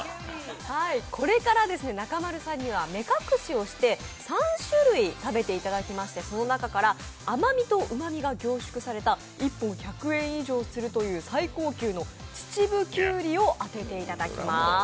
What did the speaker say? これから中丸さんには目隠しをして３種類食べていただきまして、その中から甘みとうまみが凝縮された１本１００円以上するという最高級の秩父きゅうりを当てていただきます。